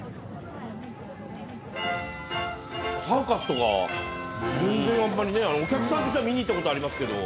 サーカスとか全然あんまりねお客さんとしては観に行った事ありますけど。